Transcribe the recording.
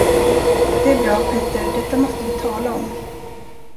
Det är bra, Petter detta måste vi tala om!